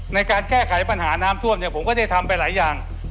ในการแก้ไขปัญหาน้ำท่วมเนี่ยผมก็ได้ทำไปหลายอย่าง